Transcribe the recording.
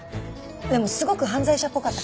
でもすごく犯罪者っぽかったから。